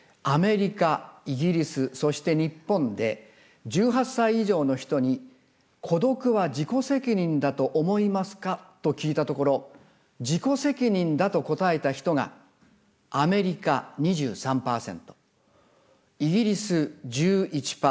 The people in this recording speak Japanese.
アメリカイギリスそして日本で１８歳以上の人に「孤独は自己責任だと思いますか」と聞いたところ「自己責任だ」と答えた人がアメリカ２３％イギリス１１％